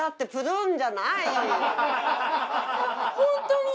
ホントに。